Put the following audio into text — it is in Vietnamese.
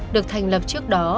được thành lập trước đó